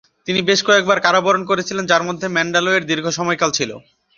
তিনি বেশ কয়েকবার কারাবরণ করেছিলেন যার মধ্যে ম্যান্ডালয়ের দীর্ঘ সময়কাল ছিল।